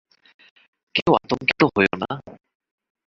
কেউ আতঙ্কিত হয়ো না।